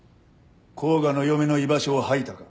甲賀の嫁の居場所を吐いたか？